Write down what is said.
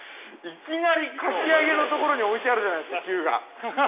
いきなり、かき揚げのところに置いてあるじゃないですか、Ｑが。